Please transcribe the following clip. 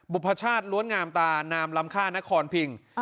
พชาติล้วนงามตานามลำค่านครพิง